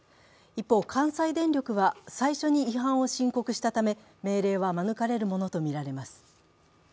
一方、関西電力は最初に違反を申告したため命令は免れるものとみられます。